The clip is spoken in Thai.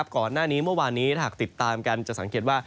ก่อนหน้านี้เมื่อวานนี้ถ้าหากติดตามกันจะสังเกตว่า